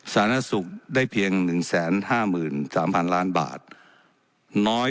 สาธารณสุขได้เพียงหนึ่งแสนห้าหมื่นสามพันล้านบาทน้อย